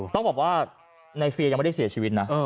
ต้องบอกว่าในเฟียยังไม่ได้เสียชีวิตนะ